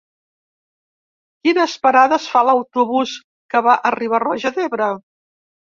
Quines parades fa l'autobús que va a Riba-roja d'Ebre?